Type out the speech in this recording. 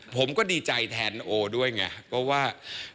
ผมก็ดีใจแทนโอด้วยไง